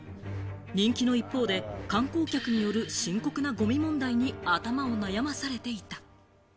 人気の一方で観光客による深刻なごみ問題に頭を悩まされていた。